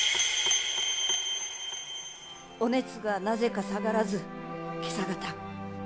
お熱がなぜか下がらず今朝方。